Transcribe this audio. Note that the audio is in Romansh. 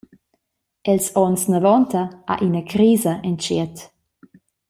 Els onns navonta ha ina crisa entschiet.